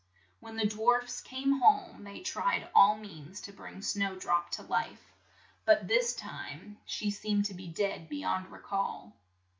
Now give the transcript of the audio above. When the dwarfs came home they tried all means to bring Snow drop to life, but this time she seemed to be dead be yond re call.